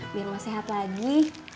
biar emak sehat lagi